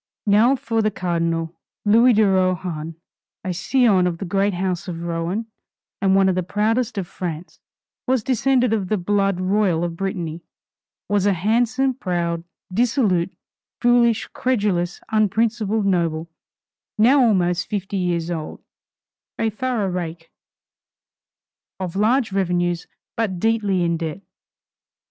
Now for the Cardinal. Louis de Rohan, a scion of the great house of Rohan, one of the proudest of France, was descended of the blood royal of Brittany; was a handsome, proud, dissolute, foolish, credulous, unprincipled noble, now almost fifty years old, a thorough rake, of large revenues, but deeply in debt.